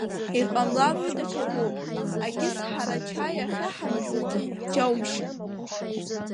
Иҟамлар уи даҽакуп, агьыс, ҳара ачаи ахьаҳамжәуагьы џьоумшьан.